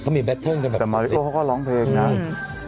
มีแบตเทิร์นกันแบบแต่มาริโอเขาก็ร้องเพลงนะอืม